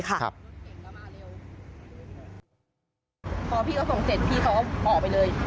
พอพี่เขาส่งเสร็จพี่เขาก็ออกไปเลย